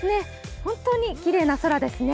本当にきれいな空ですね。